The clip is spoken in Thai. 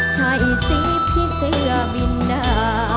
ใช่สิผีเสือบินมา